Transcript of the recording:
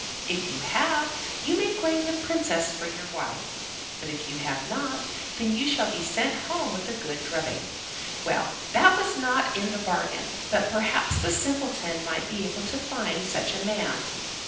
If you have, you may claim the Princess for your wife, but if you have not, then you shall be sent home with a good drubbing." Well, that was not in the bargain, but perhaps the simpleton might be able to find such a man.